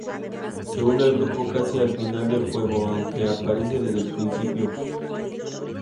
Se une al grupo casi al final del juego, aunque aparece desde el principio.